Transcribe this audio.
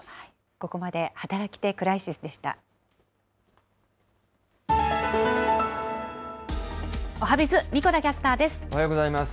ここまで働き手クライシスでおはＢｉｚ、神子田キャスタおはようございます。